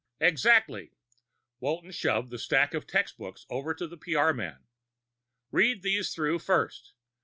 "Exactly." Walton shoved the stack of textbooks over to the PR man. "Read these through first.